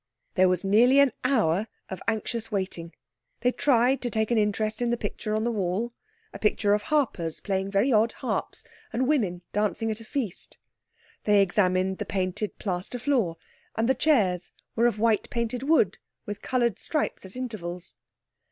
There was nearly an hour of anxious waiting. They tried to take an interest in the picture on the wall, a picture of harpers playing very odd harps and women dancing at a feast. They examined the painted plaster floor, and the chairs were of white painted wood with coloured stripes at intervals.